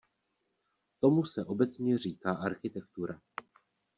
Tomu se obecně říká architektura.